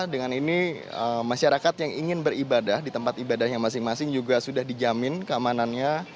dengan ini masyarakat yang ingin beribadah di tempat ibadahnya masing masing juga sudah dijamin keamanannya